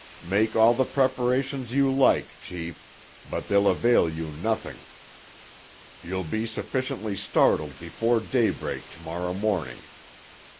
Make all the preparations you like, chief, but they'll avail you nothing. You'll be sufficiently startled before daybreak to morrow morning.